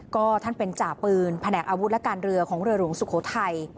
ก็ท่านเป็นจ่าปืนแผนกอาวุธและการเรือของเรือหลวงสุโขทัย